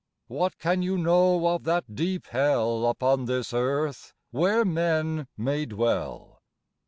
What can you know of that deep Hell Upon this Earth, where men may dwell.